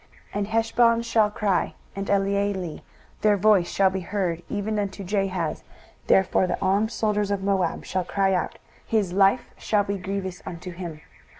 23:015:004 And Heshbon shall cry, and Elealeh: their voice shall be heard even unto Jahaz: therefore the armed soldiers of Moab shall cry out; his life shall be grievous unto him.